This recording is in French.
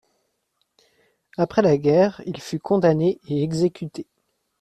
Après la guerre, il fut condamné et exécuté.